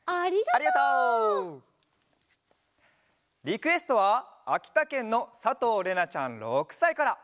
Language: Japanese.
リクエストはあきたけんのさとうれなちゃん６さいから。